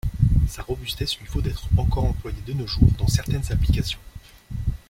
Sa robustesse lui vaut d'être encore employé de nos jours dans certaines applications.